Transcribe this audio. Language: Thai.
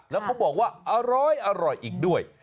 แล้วเขาบอกว่าอร้อยอีกด้วย